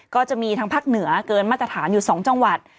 ก็จะมีทางภาคเหนือเกินมาตรฐานอยู่๒จังหวัด